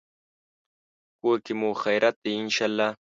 کور کې مو خیریت دی، ان شاءالله